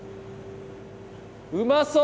うまそう！